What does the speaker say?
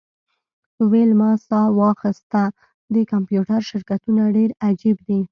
ویلما ساه واخیسته د کمپیوټر شرکتونه ډیر عجیب دي